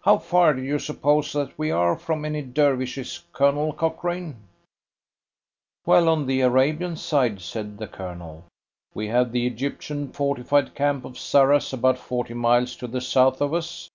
How far do you suppose that we are from any Dervishes, Colonel Cochrane?" "Well, on the Arabian side," said the Colonel, "we have the Egyptian fortified camp of Sarras about forty miles to the south of us.